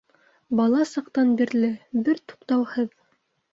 Бала саҡтан бирле, бер туҡтауһыҙ.